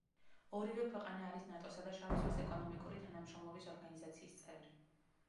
ორივე ქვეყანა არის ნატოსა და შავი ზღვის ეკონომიკური თანამშრომლობის ორგანიზაციის წევრი.